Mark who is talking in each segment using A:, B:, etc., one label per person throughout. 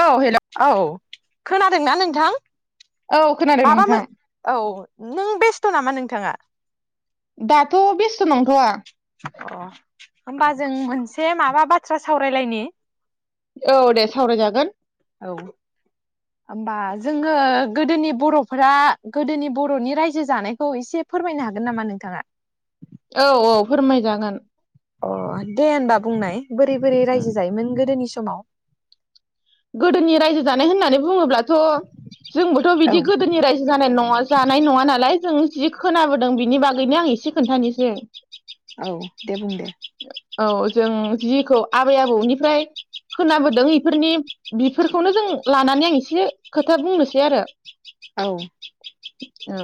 A: औ हेल'
B: औ खोनादोंना नोंथां?
A: औ खोनादों
B: माबाम
A: नोंथां
B: मोन औ नों बेस्थ' नामा नोंथाङा?
A: दाथ' बेस्थ' नंथ'वा।
B: अ होमबा जों मोनसे माबा बाथ्रा सावरायलायनि।
A: औ दे सावरायजागोन।
B: औ होमबा जोङो गोदोनि बर'फोरा गोदोनि बर'नि रायजो जानायखौ एसे फोरमायनो हागोन नामा नोंथाङा?
A: औ औ फोरमायजागोन।
B: अ दे होनबा बुंनाय। बोरै बोरै रायजो जायोमोन गोदोनि समाव
A: गोदोनि रायजो जानाय होननानै बुङोब्ला थ' जोंबोथ'
B: औ
A: बिदि गोदोनि रायजो जानाय नङा जानाय नङा नालाय जों जि खोनाबोदों बिनि बागैनो आं एसे खोन्थानिसै।
B: औ दे बुं दे
A: औ जों जिखौ आबै आबौनिफ्राय खोनाबोदों इफोरनि बिफोरखौनो जों लानानै आं एसे खोथा बुंनोसै आरो।
B: औ
A: औ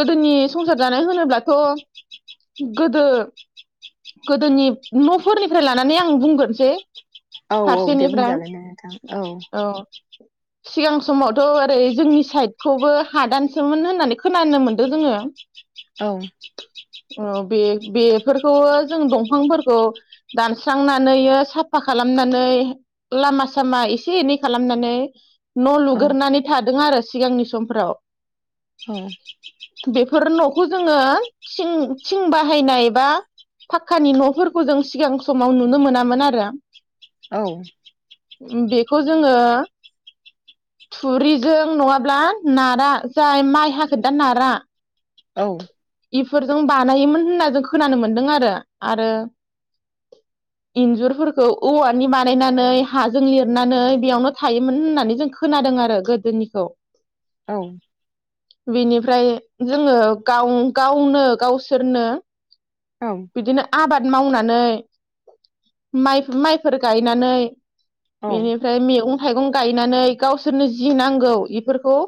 A: गोदोनि संसार जानाय होनोब्लाथ' गोदो गोदोनि न'फोरनिफ्राय लानानै आं बुंगोरनोसै।
B: औ औ दे बुंजागोन दे नोंथां औ।
A: सिगां समावथ' ओरै जोंनि साइडखौबो हादानसोमोन होननानै खोनानो मोनदों जोङो।
B: औ
A: औ बे-बेफोर खौवो जों दंफांफोरखौ दानस्रांनानैयो साफा खालामनानै लामा सामा एसे एनै खालामनानै न'
B: औ
A: लुगोरनानै था दों आरो सिगांनि समफ्राव।
B: औ।
A: बेफोर न'खौ जोङो थिं थिं बाहायनाय बा फाकानि न'फोरखौ जों सिगां समाव नुनो मोनामोन आरो।
B: औ।
A: बेखौ जोङो थुरिजों नङाब्ला नारा जाय माइ हाखोदा नारा
B: औ।
A: बेफोरजों बानायोमोन होनना जों खोनानो मोन दों आरो आरो इन्जुरफोरखौ औवानि बानायनानै हाजों लिरनानै बेयावनो थायोमोन होननानै जों खोनादों आरो गोदोनिखौ।
B: औ।
A: बिनिफ्राय जोङो गाव गावनो गावसोरनो
B: औ
A: बिदिनो आबाद मावनानै माइ माइफोर गायनानै
B: औ
A: बेनिफ्राय मेगं थाइगं गायनानै गावसोरनो जि नांगौ एफोरखौ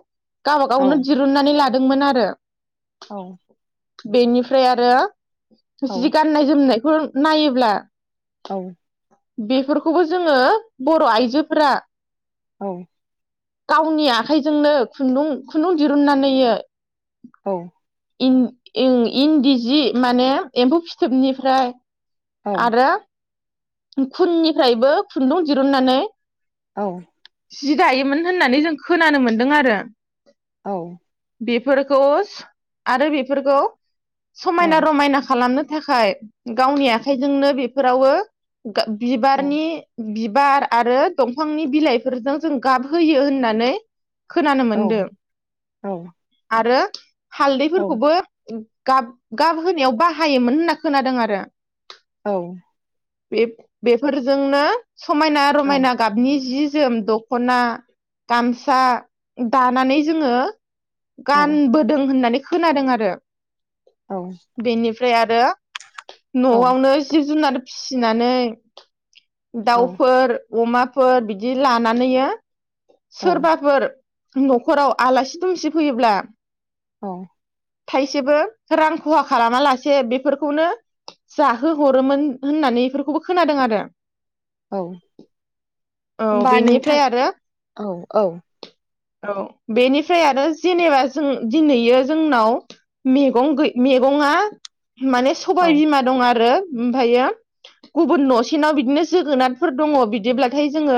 A: गावबागावनो दिरुननानै लादोंमोन आरो। बेनिफ फ्राय आरो जि गाननाय जोमनायखौ नायोब्ला
B: औ।
A: बेफोरखौबो जोङो बर' आइजोफ्रा
B: औ।
A: गावनि आखाइजोंनो खुन्दुं खुन्दुं दिरुनन्नानैयो
B: औ।
A: इन इं इन्दि जि माने एम्फौ फिथोबनिफ्राय आरो खुननिफ्रायबो खुन्दुं दिरुननानै
B: औ
A: जि दायोमोन होननानै जों खोनानो मोनदों आरो
B: औ
A: बेफोरखौज आरो बेफोरखौ समायना रमायना खालामनो थाखाय गावनि आखाइजोंनो बेफोरावो गा बिबारनि बिब बार आरो दंफांनि बिलाइफोरजों जों गाबहोयो होननानै खोनानो मोनदों आरो हालदैफोरखौबो गाब गाब होनायाव बाहायोमोन होनना खोनादों आरो
B: औ
A: बे बेफोरजोंनो समायना रमायना गाबनि जि जोम दख'ना गामसा दानानै जोङो गानबोदों होननानै खोनादों आरो बेनिफ्राय आरो ओ न'आवनो जिब जुनार फिसिनानै दाउफोर अमाफोर बिदि लानानै सोरबाफोर न'खराव आलासि दुमसि फैयोब्ला
B: औ
A: थाइसेबो रां खहा खालामा लासे बेफोरखौनो जाहोहरोमोन होननानै बेफोरखौबो खोनादों आरो
B: औ
A: औ
B: होनबा नोंथां
A: बेनिफ्राय आरो
B: औ औ
A: औ बेनिफ्राय आरो जेनेबा जों दिनैयो जोंनाव मैगं मैगङा माने
B: औ
A: सबाय बिमा दं आरो ओमफ्रायो गुबुन न'सेनाव बिदिनो जोगोनारफोर दङ बिदिब्लाथाय जोङो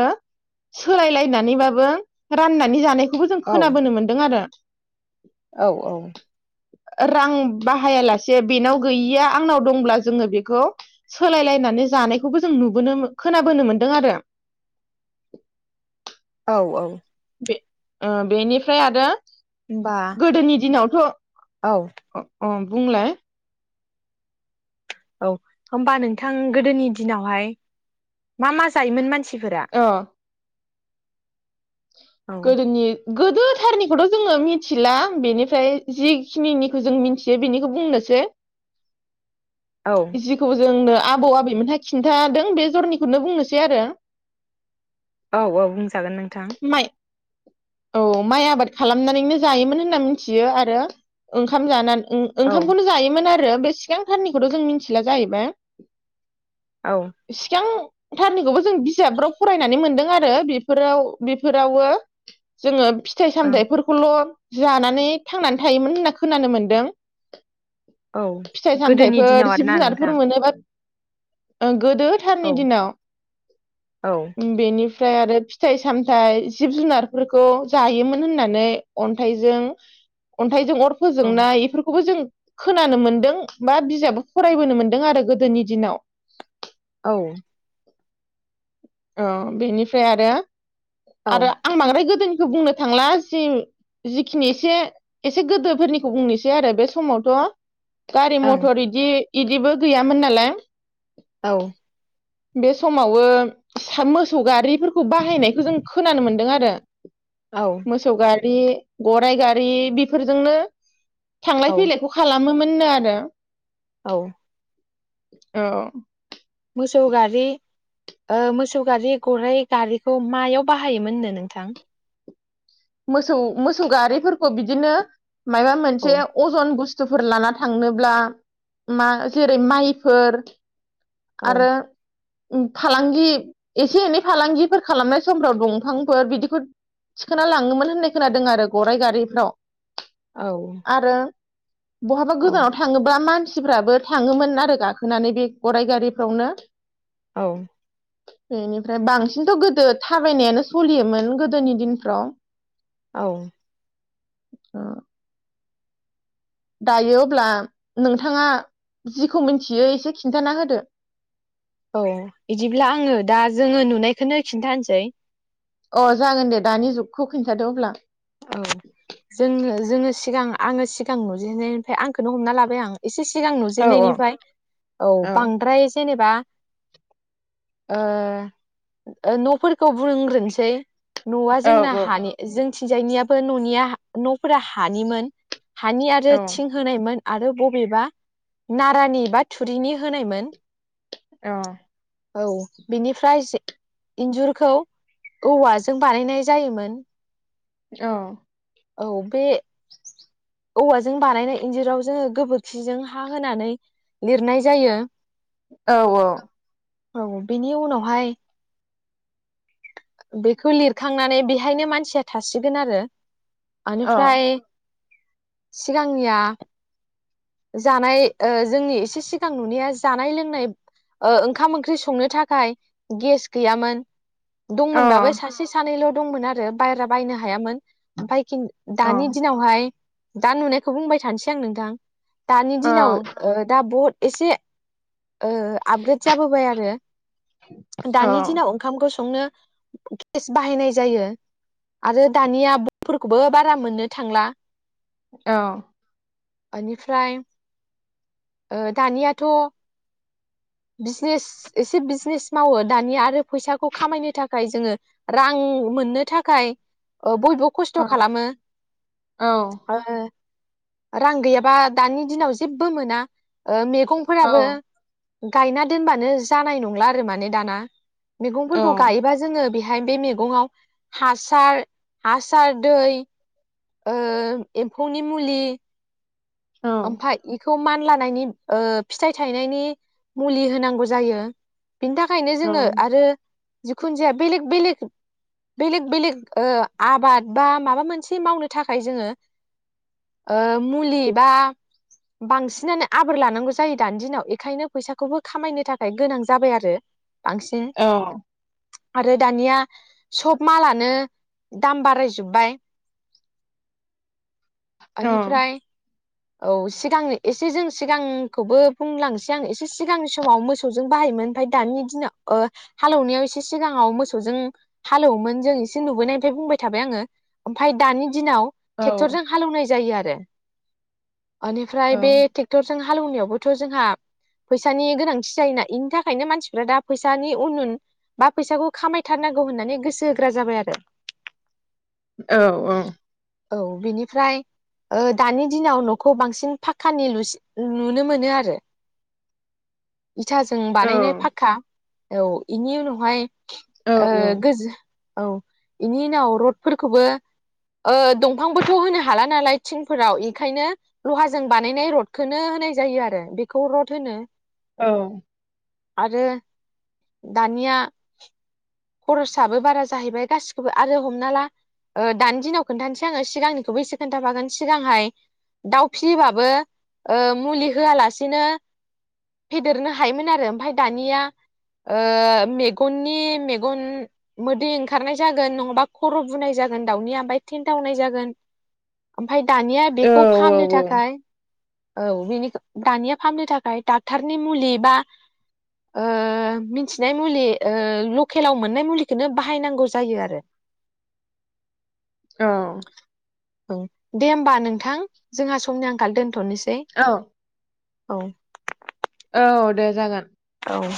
A: सोलायलायनानैबाबो राननानै जानायखौ बेखौबो जों खोनाबोनो मोन्दों आरो
B: औ औ।
A: रां बाहायालासे बेनाव गैयिया आंनाव दंब्ला जोङो बेखौ सोलायलायनानै जानायखौबो जों नुबोनो खोनाबोनो मोनदों आरो।
B: औ औ।
A: बे बेनिफ्राय आरो।
B: होमबा
A: गोदोनि दिनावथ'
B: औ
A: अ बुंलाय।
B: औ होनबा नोंथां गोदोनि दिनावहाय मा मा जायोमोन मानसि?
A: अ।
B: औ
A: गोदोनि गोदोथारनिखौथ' जोङो मिथिला बेनिफ्राय जिखिनिनिखौ जों मिथियो बेनिखौ बुंनोसै।
B: औ
A: जिखौबो जोंनो आबौ आबैमोनहा खिन्थादों बे जरनिखौनो बुंनोसै आरो
B: औ औ जागोन नोंथां
A: माइ औ माइ आबाद खालामनानैनो जायोमोन होनना मिथियो आरो ओंखाम जानानै
B: औ
A: ओंखामखौनो जायोमोन आरो बे सिगांथारनिखौथ' जों मिथिला जाहैबाय
B: औ
A: सिगां थारनिखौबो जों बिजाबफ्राव फरायनानै मोनदों आरो बेफोराव बेफोरावबो जोङो फिथाइ
B: ओं
A: सामथाइफोरखौल' जानानै थांनानै थायोमोन होनना खोनानो मोनदों
B: औ
A: फिथाइ
B: गोदोनि
A: सामथाइफोर
B: दिनाव
A: जिब
B: आरोना
A: जुनारफोर
B: नोंथां
A: मोनोबा ओं गोदो
B: औ
A: थाननि दिनाव
B: औ
A: ओं बेनि ओमफ्राय आरो फिथाइ सामथाइ जिब जुनारफोरखौ जायोमोन होननानै अन्थाइजों हाथायजों अर
B: औ
A: फोजोंनाय बेफोरखौबो जों खोनानो मोनदों बा बिजाबो फरायबोनो मोनदों आरो गोदोनि दिनाव
B: औ
A: औ बेनिफ्राय आरो आरो आं बांद्राय गोदोनि बुंनो थांला जि जिखिनि एसे एसे गोदोफोरनिखौ बुंनोसै आरो बे समावथ' गारि
B: ओं
A: मथर इदि इदिबो गैयामोन नालाय
B: औ
A: बे समावो मोसौ गारि फोरखौ बाहायनायखौ जों खोनानो मोनदों आर [unintelligible]
B: औ
A: मोसौ गार रि गराइ गारि बेफोरजोंनो
B: औ
A: थांलाय फैलायखौ खालाम ङो मोननो आरो
B: औ
A: औ
B: मोसौ गारि ओ मोसौ गारि गराइ गारिखौ मायाव बाहायोमोन नो नोंथां
A: मोसौ मोसौ गारिफोरखौ बिदिनो मायबा
B: औ
A: मोनसे अजन बुस्त बुस्थुफोर लाना थांनोब्ला मा जेरै माइफोर
B: औ
A: आरो उम फालांगि एसे एनै फालांगिफोर खालामनाय समफ्राव दंफांफोर बिदिखौ थिखोना लाङोमोन होननाय खोनादों आरो गराइ गारिफ्राव
B: औ
A: आरो बहाबा
B: औ
A: गोजानाव थाङोबा मानसि मानसिफ्राबो थाङोमोन आरो गाखोनानै बे गराइ गारिफ्रावनो
B: औ
A: बेनिफ्राय बांसिनथ' गोदो थाबायनायानो सोलियोमोन गोदोनि दिनफ्राव
B: औ
A: उम दायो अब्ला नोंथाङा जिखौ मिन्थियो एसे खिन्थाना होदो
B: औ बिदिब्ला आङो दा जोङो नुनायखौनो खिन्थानोसै
A: अ जागोन दे दानि जुगखौ खिन्थादो अब्ला
B: औ जोंनि जोङो सिगां आङो सिगां नुजेननायनिफ्राय आंखौनो हमना लाबाय आं एसे सि सिगां
A: औ औ
B: नुजेननायनिफ्राय औ बांद्राय जेनेबा ओ न'फोरखौ बुंग्रोनोसै न'आ
A: औ
B: जोंना
A: औ
B: हानि जोंथि थिंजायनियाबो न'निया न'फोरा हानिमोन हानि आरो
A: औ
B: थिं होनायमोन आरो बबेबा नारानि बा थुरिनि होनायमोन
A: औ
B: औ बिनिफ्राय जे इन्जुरखौ औवाजों बानायनाय जायोमोन
A: औ
B: औ बे औवाजों बानायनाय इन्जुराव जोङो गोबोरखिजों हा होनानै लिरनाय जायो
A: औ औ
B: औ बेनि उनावहाय बेखौ लिरखांनानै बेहायनो मानसिया थासिगोन आरो
A: औ अ
B: [unintelligible] सिगांनिया जानाय ओ जोंनि एसे सिगां नुनाया जानाय लोंनाय ओ ओंखाम ओंख्रि संनो थाखाय गेस गैयामोन दंमोनबाबो सासे सानैल' दंमोन आरो बारा बायनो हायामोन [unintelligible] [unintelligible] दानि दिनावहाय दा नुनायखौ बुंबाय थानोसै आं नोंथां दानि
A: अ
B: दिनाव ओ दा बहुद एसे ओ आपग्रेद जाबोबाय आरो दानि दिनाव ओंखामखौ संनो गेस बाहायनाय जायो आरो दानिया बफोरखौबो बारा मोननो थांला।
A: औ।
B: एनिफ्राय ओ दानियाथ' बिजनेस एसे बिजनेस मावो दानिया आरो फैसाखौ खामायनो थाखाय जोङो रां मोननो थाखाय ओ बयबो खस्थ'
A: अ
B: खालामो
A: औ
B: ओ रां गैयाबा दानि दिनाव जेबो मोना ओ मेग
A: औ
B: गंफोराबो गायना दोनबानो जानाय नंला आरो माने दाना।
A: औ
B: मैगंफोरखौ गायोबा जोङो बे फाय बे मैगङाव हासार हासार दै ओ एम्फौनि मुलि ओमफाय इखौ मानलानायनि ओ फिथाइ थायनायनि मुलि होनांगौ जायो - बिनि थाखायनो जोङो आरो जिखुन जाया बेलेक बेलेक बेलेग बेलेग ओ आबाद बा माबा मोनसे मावनो थाखाय जोङो ओ मुलि बा बांसिनानो आबोर लानांगौ जायो दानि दिनाव एखायनो फैसाखौबो खामायनो थाखाय गोनां जाबाय आरो। बांसिन।
A: औ
B: आरो दानिया सब मालानो दाम बारायजोब्बाय। [inaudible]
A: औ
B: एनिफ्राय औ सिगांनो एसे जों सिगांखौबो बुंलांसै आं एसे सिगांनि समाव मोसौजों बाहायोमोन ओमफाय ओ दानि दिनाव हालौवनायाव एसे सिगाङाव मोसौजों हालौवोमोन जों एसे नुबोनायनिफ्राय बुंबाय थाबाय आङो ओमफाय दानि दिनाव
A: औ
B: ट्रेक्टरजों हालौनाय जायो आर दे।
A: औ
B: ओनिफ्राय बे ट्रेक्टरजों हा हालेवनायावबोथ' जोंहा फैसानि गोनांथि जायोना इनि थाखायनो मानसिफ्रा दा फैसानि उन उन बा फैसाखौ खामायथारनांगौ होननानै गोसो होग्रा जाबाय आरो।
A: औ औ।
B: औ बिनिफ्राय ओ दानि दिनाव न खौ बांसिन फाखकानि लुसिन नुनो मोनो आरो। इथाजों
A: औ
B: बानायनाय फाक्का। औ इनि उनावहाय
A: औ
B: ओ गोज औ इनि उनाव रडफोरखौबो ओ दंफांबोथ' होनो हाला नालाय थिंफोराव इखायनो लहाजों बानायनाय रदखौनो होनाय जायो आरो बेखौ रड होनो।
A: औ।
B: आरो दानिया खरसाबो बारा जाहैबाय गासिखौबो आरो हमना ला ओ दानि दिनाव खोन्थानोसै आङो सिगांनिखौबो एसे खोनथाफागोन सिगांहाय दाउ फिबाबो ओ मुलि होआलासेनो फेदेरनो हायोमोन आरो ओमफाय दानिया ओ मेगननि मेगन मेगन मोदै ओंखारनाय जागोन नङाबा खर' बुनाय जागोन दाउनिआ ओमफ्राय थेनथावनाय जागोन। ओमफाय दानिया बेखौ फाहामनो
A: औ
B: थाखाय औ बेनिखो दानिया फाहामनो थाखाय डाक्टरनि मुलि बा ओ मिन्थिनाय मुलि ओ लक केलाव मोननाय मुलिखौनो बाहायनांगौ जायो आरो।
A: औ
B: ओं दे होमबा नोंथां जोंहा समनि आंखाल दोन थ'निसै।
A: औ
B: औ
A: औ दे जागोन।
B: औ